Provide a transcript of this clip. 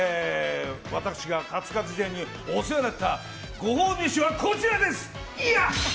私がカツカツ時代にお世話になったご褒美飯はこちらです！